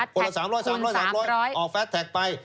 คนละ๓๐๐คน๓๐๐คน๓๐๐อ๋อแฟซแทคไป